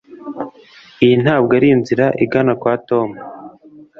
iyi ntabwo ari inzira igana kwa tom